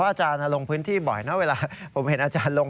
อาจารย์ลงพื้นที่บ่อยนะเวลาผมเห็นอาจารย์ลง